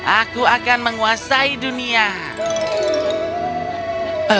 aku akan menguasai dunia